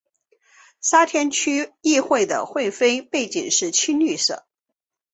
沙田区议会的会徽背景是青绿色。